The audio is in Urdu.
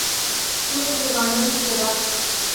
تو پہلوانوں کی طرح۔